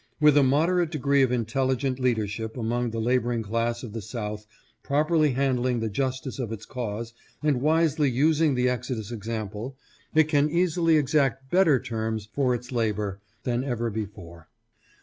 With a moderate degree of intelligent leadership among the laboring class of the South properly handling the justice of its cause and wisely using the exodus example, it can easily exact better terms for its labor than ever before.